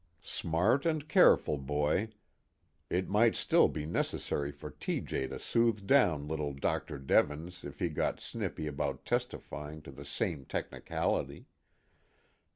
Smart and careful boy. It might still be necessary for T.J. to soothe down little Dr. Devens if he got snippy about testifying to the same technicality.